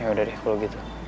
ya udah deh kalau gitu